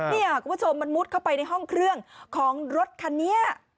นี่คุณผู้ชมมันมุดเข้าไปในห้องเครื่องของรถคันนี้